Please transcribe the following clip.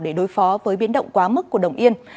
để đối phó với biến động quá mức của đồng yên